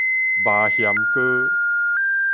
麻薟鍋